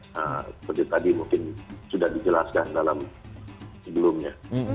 seperti tadi mungkin sudah dijelaskan dalam sebelumnya